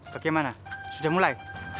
kegimana sudah mulai